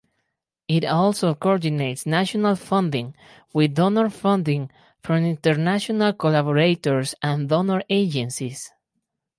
It also coordinates national funding with donor funding from international collaborators and donor agencies.